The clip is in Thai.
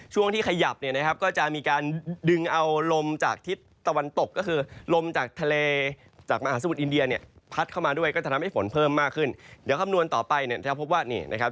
ช่วงที่ขยับก็จะมีการดึงเอาลมที่ตะวันตก